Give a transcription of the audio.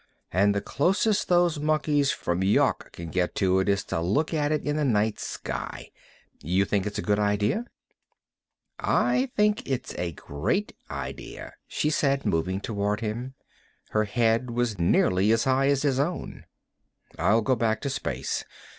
And the closest those monkeys from Yawk can get to it is to look at it in the night sky. You think it's a good idea?" "I think it's a great idea," she said, moving toward him. Her head was nearly as high as his own. "I'll go back to space.